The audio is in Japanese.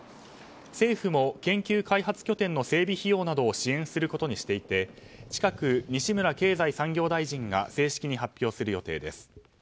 政府も、研究開発拠点の整備費用などを支援することにしていて近く、西村経済産業大臣が正式に発表する予定です。